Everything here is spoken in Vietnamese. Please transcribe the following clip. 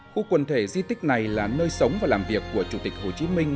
khu quần thể di tích này là nơi sống và làm việc của chủ tịch hồ chí minh